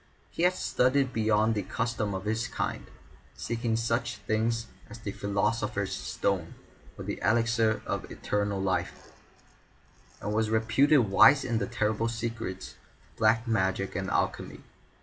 He had studied beyond the custom of his kind, seeking such things as the Philosopher's Stone, or the Elixir of Eternal Life, and was reputed wise in the terrible secrets of Black Magic and Alchemy.